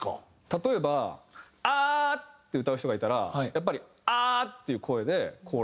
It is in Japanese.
例えば「アー！」って歌う人がいたらやっぱり「アー！」っていう声でコーラスを。